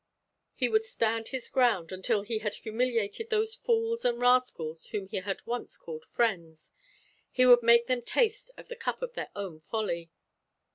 He would stand his ground until he had humiliated those fools and rascals whom he had once called his friends. He would make them taste of the cup of their own folly.